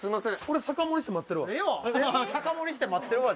「俺酒盛りして待ってるわ」